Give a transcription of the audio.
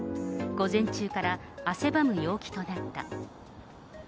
午前中から汗ばむ陽気となった。